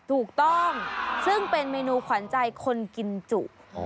ถูกต้องซึ่งเป็นเมนูขวัญใจคนกินจุ